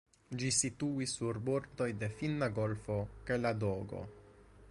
Ĝi situis sur bordoj de Finna golfo kaj Ladogo.